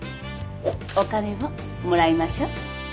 お金をもらいましょう。